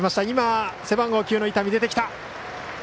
今、背番号９の伊丹、出てきた。